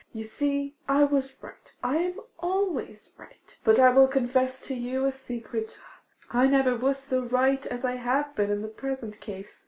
You see, I was right; I am always right. But I will confess to you a secret: I never was so right as I have been in the present case.